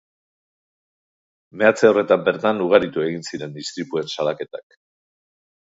Meatze horretan bertan ugaritu egin ziren istripuen salaketak.